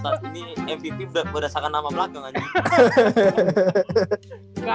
ini mvp berdasarkan nama belakang aja